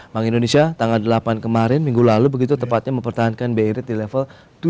bank indonesia tanggal delapan kemarin minggu lalu begitu tepatnya mempertahankan bi rate di level tujuh